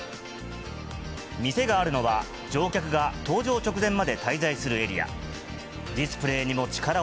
店があるのは、乗客が搭乗直前まで滞在するエリア。